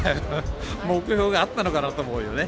目標があったのかなと思うよね。